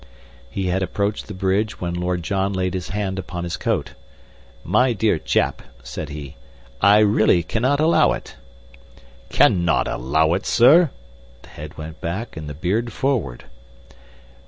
He had approached the bridge when Lord John laid his hand upon his coat. "My dear chap," said he, "I really cannot allow it." "Cannot allow it, sir!" The head went back and the beard forward.